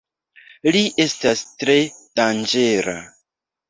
Li estas tre danĝera.